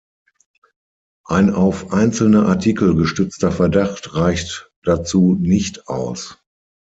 Ein auf einzelne Artikel gestützter Verdacht reicht dazu nicht aus.